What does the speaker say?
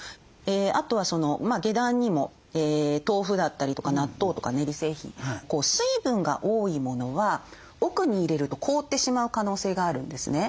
あとは下段にも豆腐だったりとか納豆とか練り製品水分が多いものは奥に入れると凍ってしまう可能性があるんですね。